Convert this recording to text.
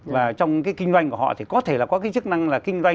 và trong cái kinh doanh của họ thì có thể là có cái chức năng là kinh doanh